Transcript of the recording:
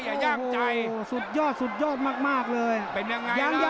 อย่าย่างใจโอ้โหสุดยอดสุดยอดมากเลย